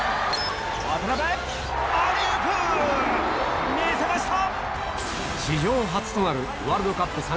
アリウープ見せました！